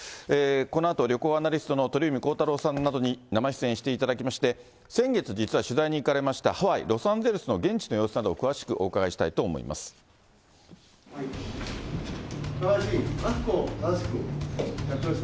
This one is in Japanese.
このあと、旅行アナリストの鳥海高太朗さんなどに生出演していただきまして、先月、実は取材に行かれましたハワイ、ロサンゼルスの現地の様子などを詳しくお伺いしたいと思います。